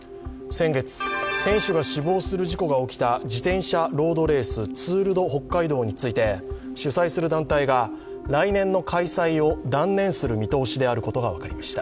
先月、選手が死亡する事故が起きた自転車レース、ツール・ド・北海道について、主催する団体が、来年の開催を断念する見通しであることが分かりました。